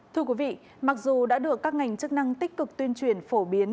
thưa quý vị mặc dù đã được các ngành chức năng tích cực tuyên truyền phổ biến